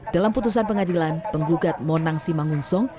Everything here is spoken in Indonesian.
dalam putusan pengadilan penggugat monang simangunsong